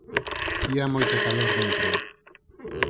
Ía moita calor dentro.